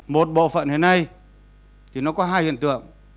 một bộ phận thế này thì nó có hai hiện tượng